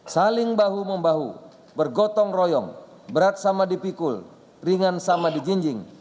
saling bahu membahu bergotong royong berat sama dipikul ringan sama dijinjing